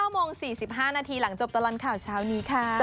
๙โมง๔๕นาทีหลังจบตลอดข่าวเช้านี้ค่ะ